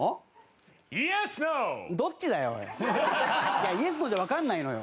いやイエスノーじゃわかんないのよ。